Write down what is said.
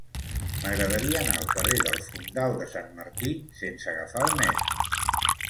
M'agradaria anar al carrer del Fondal de Sant Martí sense agafar el metro.